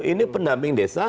ini pendamping desa